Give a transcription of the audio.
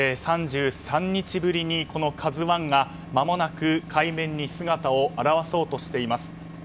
３３日ぶりに「ＫＡＺＵ１」がまもなく海面に姿を現そうとしています。